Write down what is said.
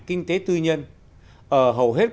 kinh tế tư nhân ở hầu hết